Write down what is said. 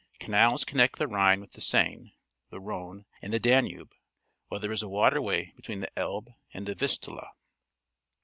Canals connect the Rhine with the Seine, the Rhone, and the Danube, while there is a waterway between the Elbe and the Vistula.